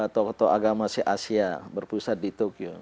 tokoto agama asia berpusat di tokyo